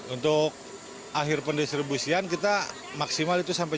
untuk akhir pendistribusian kita maksimal itu sampai